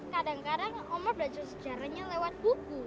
kadang kadang omo belajar sejarahnya lewat buku